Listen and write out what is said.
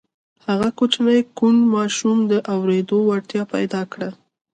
هغه کوچني کوڼ ماشوم د اورېدو وړتیا پیدا کړه